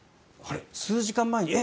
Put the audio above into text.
数時間前に、え？